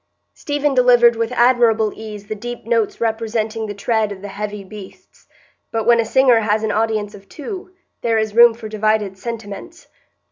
Stephen delivered with admirable ease the deep notes representing the tread of the heavy beasts; but when a singer has an audience of two, there is room for divided sentiments.